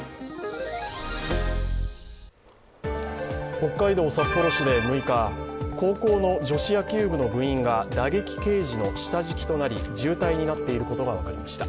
北海道札幌市で６日、高校の女子野球部の部員が打撃ケージの下敷きとなり、重体となっていることが分かりました。